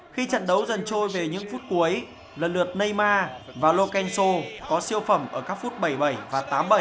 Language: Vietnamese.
khi trận đấu dần trôi về những phút cuối lần lượt neymar và lokenso có siêu phẩm ở các phút bảy mươi bảy và tám mươi bảy